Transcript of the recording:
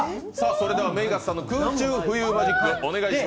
それではＭＡＧＵＳさんの空中浮遊マジックお願いします。